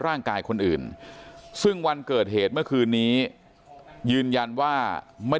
ร่างกายคนอื่นซึ่งวันเกิดเหตุเมื่อคืนนี้ยืนยันว่าไม่